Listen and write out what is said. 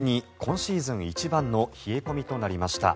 今朝は全国的に今シーズン一番の冷え込みとなりました。